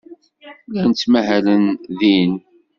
Llan ttmahalen din.